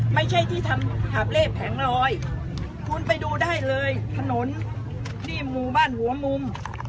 ไม่ใช่ที่ทำหาบเล่แผงลอยคุณไปดูได้เลยถนนนี่หมู่บ้านหัวมุม